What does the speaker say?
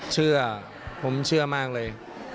เชื่อผมเชื่อมากเลย